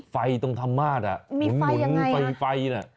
ไฟตรงธรรมาศหมุนไฟน่ะ